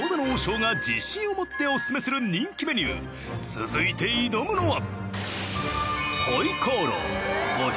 続いて挑むのは。